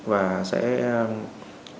và sẽ triển khai